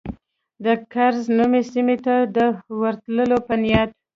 د کرز نومي سیمې ته د ورتلو په نیت.